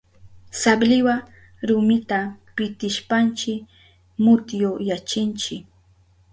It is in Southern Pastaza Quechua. Sabliwa rumita pitishpanchi mutyuyachinchi.